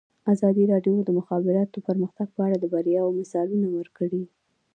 ازادي راډیو د د مخابراتو پرمختګ په اړه د بریاوو مثالونه ورکړي.